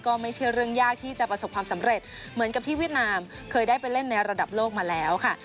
ก็ไม่ใช่เรื่องยากที่จะประสบความสำเร็จเหมือนกับที่เวียดนามเคยได้ไปเล่นในระดับโลกมาแล้วค่ะ